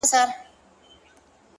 • كه په رنگ باندي زه هر څومره تورېږم ـ